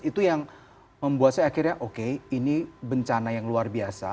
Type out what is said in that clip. itu yang membuat saya akhirnya oke ini bencana yang luar biasa